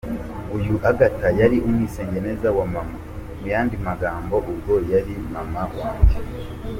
Uyu Agatha yari umwisengeneza wa maman mu yandi magambo ubwo yari mubyara wanjye.